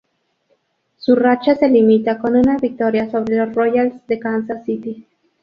Su racha se limita con una victoria sobre los Royals de Kansas City.